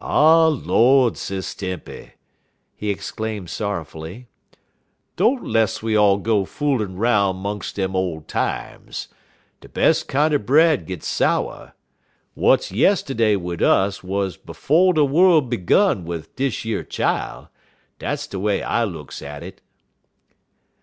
"Ah, Lord, Sis Tempy!" he exclaimed sorrowfully, "don't less we all go foolin' 'roun' 'mungs' dem ole times. De bes' kinder bread gits sour. W'at's yistiddy wid us wuz 'fo' de worl' begun wid dish yer chile. Dat's de way I looks at it."